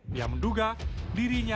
dia menduga dirinya